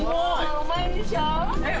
うまいでしょ？